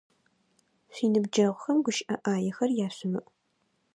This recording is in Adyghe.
Шъуиныбджэгъухэм гущыӏэ ӏаехэр яшъумыӏу!